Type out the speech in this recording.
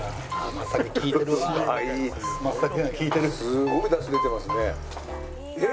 すごいだし出てますね。